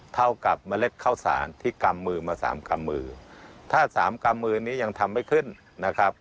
เท่ากับเมล็ดข้าวสารที่กำมือมาสามกำมือถ้าสามกำมือนี้ยังทำไม่ขึ้นนะครับ